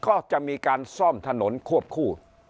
ก็จะมีการซ่อมถนนควบคู่